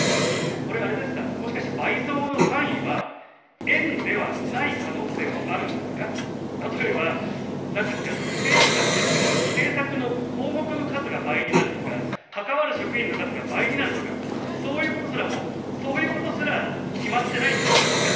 これあれですか、もしかして倍増の単位は円ではない可能性もあるんですか、例えばなんですか、政府が取り組む政策の項目の数が倍になるとか、関わる職員の数が倍になるとか、そういうことすら、決まってないってことなんですか。